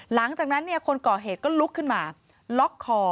หลังจากนั้นคนก่อเหตุก็ลุกขึ้นมาล็อกคอ